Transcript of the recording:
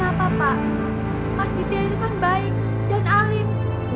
hai kenapa pak pasti itu kan baik dan alim